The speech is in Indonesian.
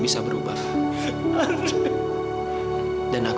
sakit ya zak